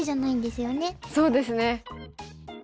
そうですね。